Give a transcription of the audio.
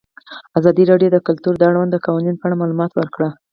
ازادي راډیو د کلتور د اړونده قوانینو په اړه معلومات ورکړي.